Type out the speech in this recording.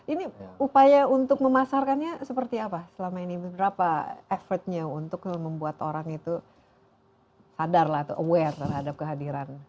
ini upaya untuk memasarkannya seperti apa selama ini berapa effortnya untuk membuat orang itu sadar lah atau aware terhadap kehadiran